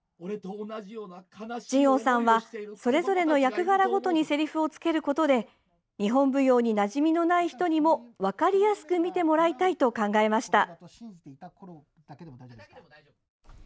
仁凰さんは、それぞれの役柄ごとにせりふをつけることで日本舞踊になじみのない人にも分かりやすく見てもらいたいと考えました。